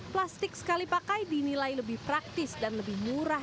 plastik sekali pakai dinilai lebih praktis dan lebih murah